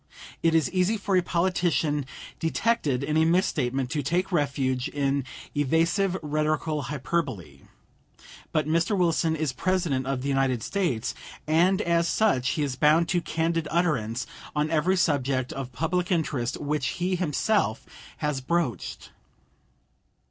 It is easy for a politician detected in a misstatement to take refuge in evasive rhetorical hyperbole. But Mr. Wilson is President of the United States, and as such he is bound to candid utterance on every subject of public interest which he himself has broached.